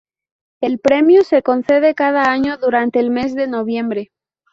El premio se concede cada año durante el mes de noviembre.